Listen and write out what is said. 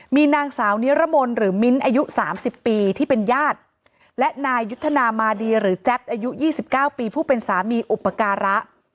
มีนางสาวนิรมนต์หรือมิ้นอายุ๓๐ปีที่เป็นญาติและนายยุทธนามาดีหรือแจ๊บอายุ๒๙ปีผู้เป็นสามีอุปการะ